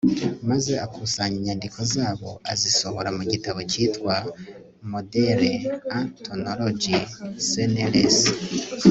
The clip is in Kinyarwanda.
maze akusanya inyandiko zabo azisohora mu gitabo kitwa, modèles en tonologie, cnrs